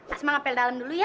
asma apel dalam dulu ya